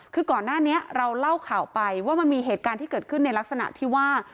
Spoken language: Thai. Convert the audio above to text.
คือก่อนหน้านี้เราเล่าข่าวไปว่ามันมีเหตุการณ์ที่เกิดขึ้นในลักษณะที่ว่า